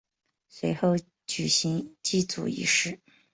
随后举行祭祖仪式。